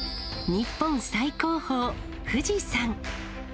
日本最高峰、富士山。